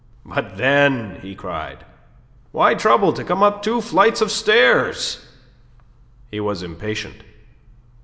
"But then?" he cried. "Why trouble to come up two flights of stairs?" He was impatient.